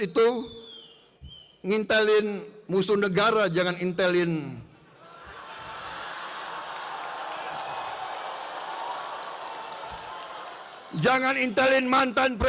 kita perlu hakim hakim yang unggul dan jujur